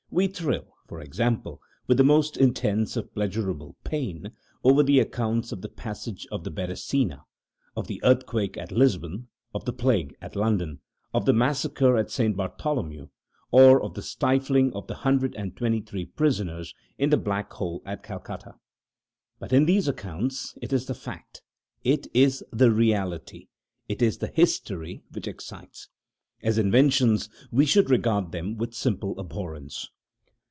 We thrill, for example, with the most intense of "pleasurable pain" over the accounts of the Passage of the Beresina, of the Earthquake at Lisbon, of the Plague at London, of the Massacre of St. Bartholomew, or of the stifling of the hundred and twenty three prisoners in the Black Hole at Calcutta. But in these accounts it is the fact it is the reality it is the history which excites. As inventions, we should regard them with simple abhorrence.